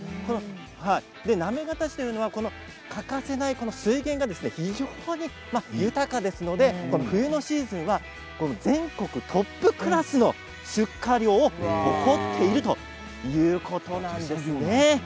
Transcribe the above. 行方市はこの欠かせない水田が非常に豊かですので冬のシーズンは全国トップクラスの出荷量を誇っているということなんです。